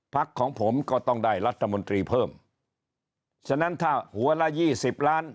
พักของผมก็ต้องได้รัฐมนตรีเพิ่มฉะนั้นถ้าหัวละยี่สิบล้าน